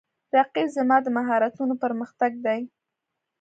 رقیب زما د مهارتونو پر مختګ دی